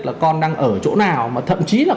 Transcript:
là con đang ở chỗ nào mà thậm chí là